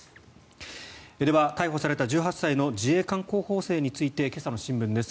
では、逮捕された１８歳の自衛官候補生について今朝の新聞です。